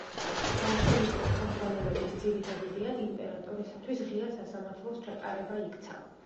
ბოლშევიკური ხელმძღვანელობის ძირითად იდეად იმპერატორისათვის ღია სასამართლოს ჩატარება იქცა.